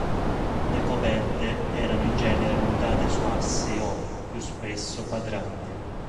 Le coperte erano in genere montate su assi o, più spesso, quadranti.